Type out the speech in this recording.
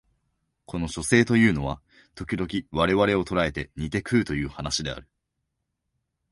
この書生というのは時々我々を捕えて煮て食うという話である